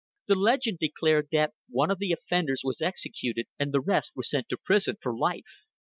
The legend declared that one of the offenders was executed and the rest were sent to prison for life.